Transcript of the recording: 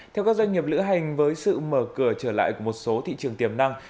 theo các doanh nghiệp lữ hành với sự mở cửa trở lại của một số thị trường tiềm năng